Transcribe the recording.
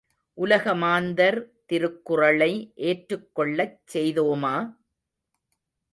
உலக மாந்தர் திருக்குறளை ஏற்றுக்கொள்ளச் செய்தோமா?